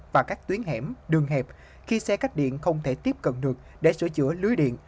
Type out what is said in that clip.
và các tuyến hẻm đường hẹp khi xe cách điện không thể tiếp cận được để sửa chữa lưới điện